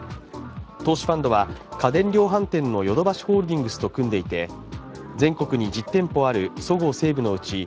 投資ファンドは家電量販店のヨドバシホールディングスと組んでいて全国に１０店舗あるそごう・西武のうち